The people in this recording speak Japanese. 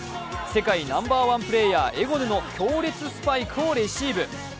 世界ナンバーワンプレーヤー・エゴヌの強烈スパイクをレシーブ。